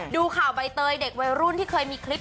ดูข่าวใบเตยเด็กวัยรุ่นที่เคยมีคลิป